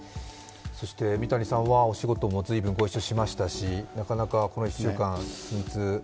そして三谷さんはお仕事も随分ご一緒しましたし、なかなかこの１週間。